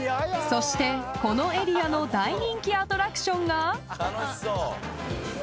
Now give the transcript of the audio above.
［そしてこのエリアの大人気アトラクションが］